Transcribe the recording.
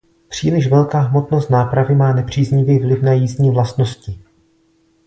Příliš velká hmotnost nápravy má nepříznivý vliv na jízdní vlastnosti.